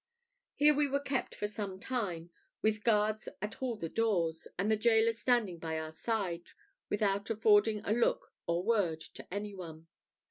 Here we were kept for some time, with guards at all the doors, and the gaoler standing by our side, without affording a look or word to any one.